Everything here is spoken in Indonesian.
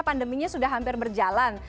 pandeminya sudah hampir berjalan